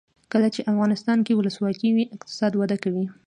کله چې افغانستان کې ولسواکي وي اقتصاد وده کوي.